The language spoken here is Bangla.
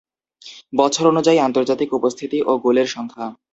বছর অনুযায়ী আন্তর্জাতিক উপস্থিতি ও গোলের সংখ্যা।